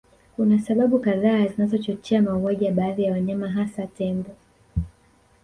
Kuna sababu kadhaa zinazochochea mauaji ya baadhi ya wanyama hasa Tembo